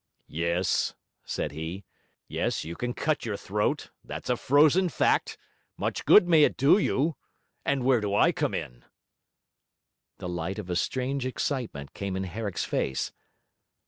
'Yes,' said he, 'yes, you can cut your throat; that's a frozen fact; much good may it do you! And where do I come in?' The light of a strange excitement came in Herrick's face.